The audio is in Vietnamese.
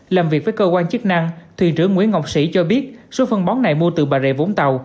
làm việc với cơ quan chức năng thuyền trưởng nguyễn ngọc sĩ cho biết số phân bón này mua từ bà rịa vũng tàu